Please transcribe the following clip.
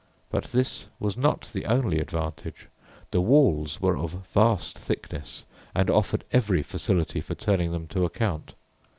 But this was not the only advantage. The walls were of vast thickness and offered every facility for turning them to account.